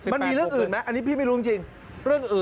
มันมีเรื่องอื่นไหมอันนี้พี่ไม่รู้จริง